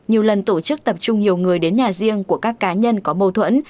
nhiều lần tổ chức tập trung nhiều người đến nhà riêng của các cá nhân có mâu thuẫn